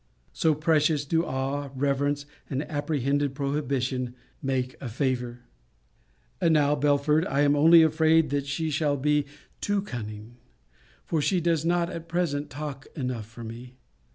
So precious do awe, reverence, and apprehended prohibition, make a favour! And now, Belford, I am only afraid that I shall be too cunning; for she does not at present talk enough for me.